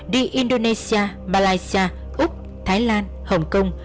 đi indonesia malaysia úc thái lan hồng kông